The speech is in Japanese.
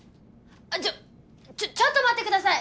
ちょっちょっと待ってください